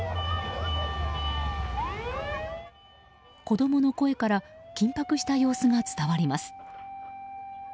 子供の声から緊迫した様子が伝わります。